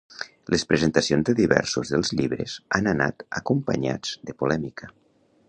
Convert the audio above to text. Les presentacions de diversos dels llibres han anat acompanyats de polèmica.